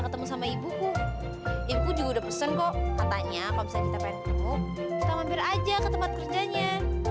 ketemu sama ibuku ibu juga udah pesen kok katanya kalau misalnya kita facebook kita mampir aja ke tempat kerjanya